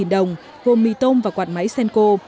bốn trăm linh đồng gồm mì tôm và quạt máy senco